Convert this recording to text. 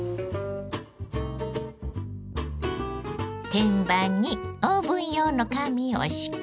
天板にオーブン用の紙を敷き